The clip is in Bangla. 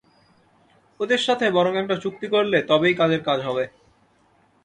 ওদের সাথে বরং একটা চুক্তি করলে তবেই কাজের কাজ হবে।